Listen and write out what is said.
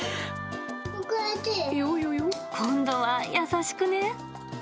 今度は優しくね。